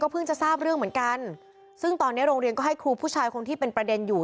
เพิ่งจะทราบเรื่องเหมือนกันซึ่งตอนนี้โรงเรียนก็ให้ครูผู้ชายคนที่เป็นประเด็นอยู่